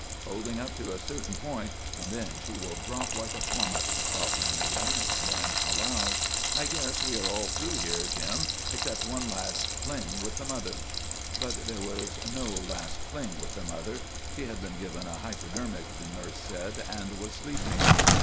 "Holding up to a certain point, and then she will drop like a plummet," thought Lanagan, then aloud: "I guess we are all through here, Jim, except one last fling with the mother." But there was no "last fling" with the mother. She had been given a hypodermic, the nurse said, and was sleeping.